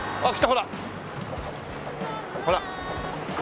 ほら。